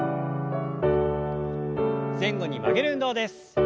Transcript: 前後に曲げる運動です。